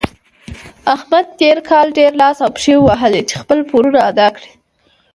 احمد تېر کار ډېر لاس او پښې ووهلې چې خپل پورونه ادا کړي.